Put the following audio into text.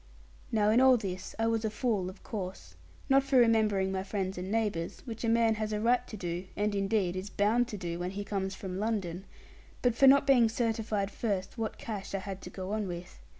Now in all this I was a fool of course not for remembering my friends and neighbours, which a man has a right to do, and indeed is bound to do, when he comes from London but for not being certified first what cash I had to go on with.